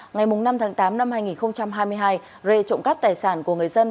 ngày năm tháng tám năm hai nghìn hai mươi hai rê trộm cắp tài sản của người dân